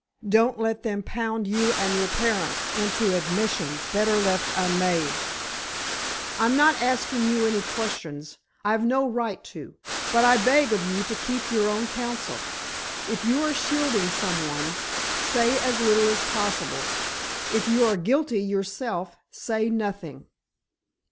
Don't let them pound you and your parents into admissions better left unmade. I'm not asking you any questions, I've no right to, but I beg of you to keep your own counsel. If you are shielding someone, say as little as possible. If you are guilty yourself, say nothing."